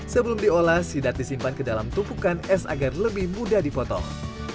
sebelum diolah sidat disimpan ke dalam tumpukan es agar lebih mudah dipotong